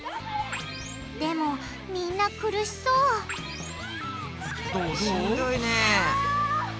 でもみんな苦しそうしんどいね。